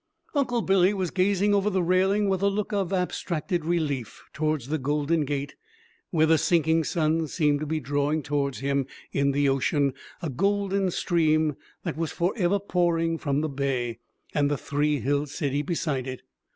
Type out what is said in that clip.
Uncle Billy was gazing over the railing with a look of abstracted relief towards the Golden Gate, where the sinking sun seemed to be drawing towards him in the ocean a golden stream that was forever pouring from the Bay and the three hilled city beside it.